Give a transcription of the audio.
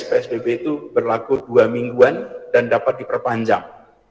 psbb itu berlaku dua mingguan dan dapat diperpanjang